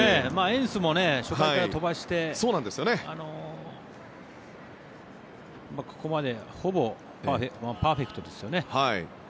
エンスも初回から飛ばしてここまでほぼパーフェクトですよね。